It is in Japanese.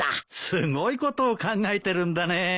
すごいことを考えてるんだねえ。